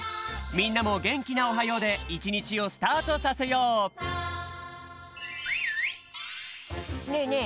みんなもげんきな「おはよう」でいちにちをスタートさせようねえね